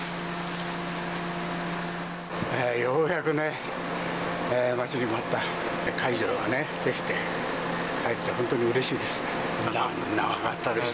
ようやくね、待ちに待った解除ができて帰れて本当にうれしいです。